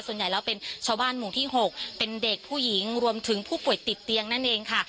ส่วนใหญ่แล้วเป็นชาวบ้านหมู่ที่๖เป็นเด็กผู้หญิงรวมถึงผู้ป่วยติดเตียงนั่นเองค่ะ